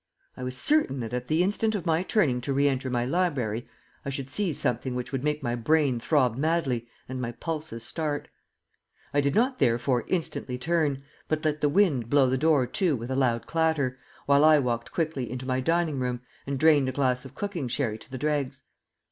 I was certain that at the instant of my turning to re enter my library I should see something which would make my brain throb madly and my pulses start. I did not therefore instantly turn, but let the wind blow the door to with a loud clatter, while I walked quickly into my dining room and drained a glass of cooking sherry to the dregs.